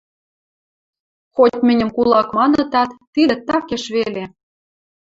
Хоть мӹньӹм кулак манытат, тидӹ такеш веле.